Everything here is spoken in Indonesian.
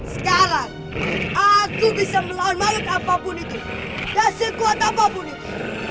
sekarang aku bisa melawan mayat apapun itu dan sekuat apapun itu